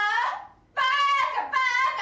バーカバーカ！